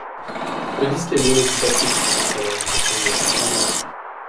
Le disque est mono-compatible grâce à l'orientation de la gravure.